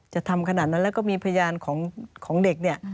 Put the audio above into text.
จะทำขนาดนั้นแล้วก็มีพยานของเด็กเนี่ย